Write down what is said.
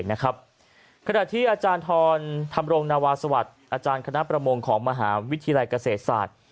ขณะที่อาจารย์ทรธรรมรงนาวาสวัสดิ์อาจารย์คณะประมงของมหาวิทยาลัยเกษตรศาสตร์